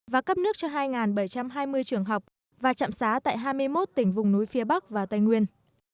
và cấp nước cho hai bảy trăm hai mươi trường học và trạm xá tại hai mươi một tỉnh vùng núi phía bắc và tây nguyên